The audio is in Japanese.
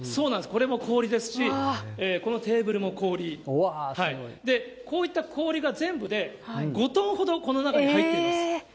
これも氷ですし、このテーブルも氷、こういった氷が全部で５トンほどこの中に入っています。